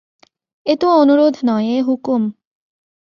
এ তো অনুরোধ নয়, এ হুকুম।